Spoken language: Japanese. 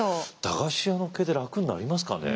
駄菓子屋の経営で楽になりますかね？